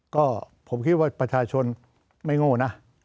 ก็ผมคิดว่าประชาชนไม่โง่นะ